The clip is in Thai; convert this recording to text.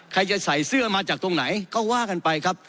ใครจะใส่เสื้อมาจากตรงไหนก็ว่ากันไปครับ